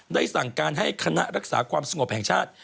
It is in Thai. สั่งการให้คณะรักษาความสงบแห่งชาติ